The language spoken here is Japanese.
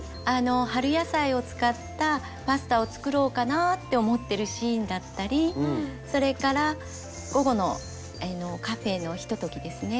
「春野菜を使ったパスタを作ろうかな」って思ってるシーンだったりそれから午後のカフェのひとときですね。